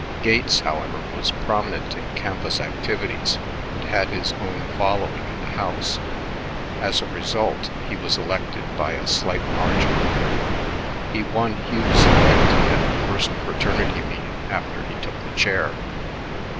Gates, however, was prominent in campus activities and had his own following in the house; as a result, he was elected by a slight margin. He won Hugh's loyalty at the first fraternity meeting after he took the chair.